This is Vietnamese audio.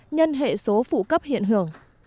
nhân hệ số phụ cấp hiện hưởng